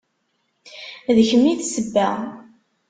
D kemm i d sebba.